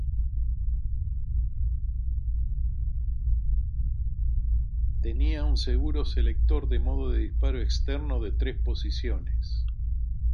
Tenía un seguro-selector de modo de disparo externo de tres posiciones.